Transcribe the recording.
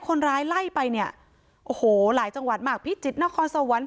คนร้ายไล่ไปเนี่ยโอ้โหหลายจังหวัดมากพิจิตรนครสวรรค์